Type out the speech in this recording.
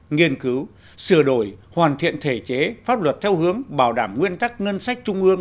nghiên cứu sửa đổi hoàn thiện thể chế pháp luật theo hướng bảo đảm nguyên tắc ngân sách trung ương